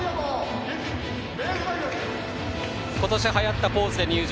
今年はやったポーズで入場。